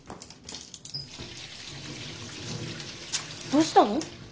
どうしたの？